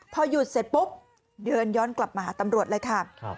พอหยุดเสร็จปุ๊บเดินย้อนกลับมาหาตำรวจเลยค่ะ